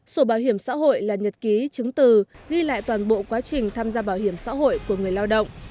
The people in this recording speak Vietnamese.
sổ bảo hiểm xã hội là nhật ký chứng từ ghi lại toàn bộ quá trình tham gia bảo hiểm xã hội của người lao động